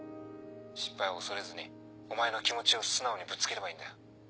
失敗を恐れずにお前の気持ちを素直にぶつければいいんだよ。